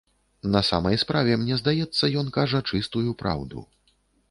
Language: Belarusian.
На самай справе, мне здаецца, ён кажа чыстую праўду.